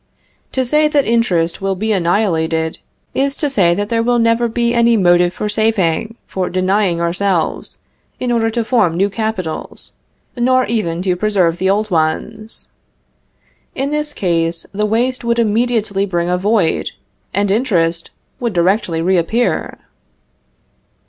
To say that interest will be annihilated, is to say that there will never be any motive for saving, for denying ourselves, in order to form new capitals, nor even to preserve the old ones. In this case, the waste would immediately bring a void, and interest would directly reappear.